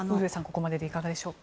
ここまででいかがでしょう。